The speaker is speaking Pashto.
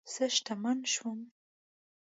زه شتمنه شوم